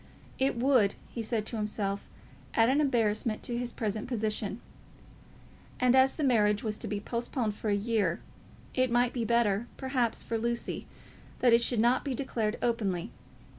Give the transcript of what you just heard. It would, he said to himself, add an embarrassment to his present position. And as the marriage was to be postponed for a year, it might be better, perhaps, for Lucy that it should not be declared openly.